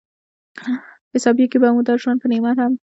حسابېږي به مو دا ژوند په نعمت هم